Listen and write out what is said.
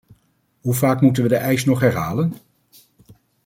Hoe vaak moeten we die eis nog herhalen?